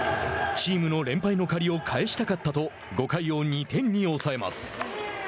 チームの連敗の借りを返したかったと５回を２点に抑えます。